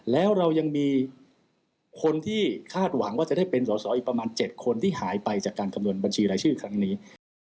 แล้วเรายังมีคนที่คาดหวังว่าจะได้เป็นสอสออีกประมาณ๗คนที่หายไปจากการคำนวณบัญชีรายชื่อครั้งนี้